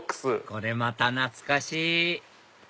これまた懐かしい！